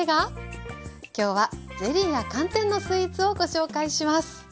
きょうはゼリーや寒天のスイーツをご紹介します。